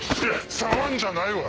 触んじゃないわよ。